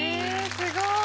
すごい。